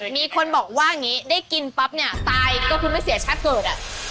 มีคนบอกว่าอย่างนี้ได้กินปั๊บเนี่ยตายก็คือไม่เสียชาติเกิด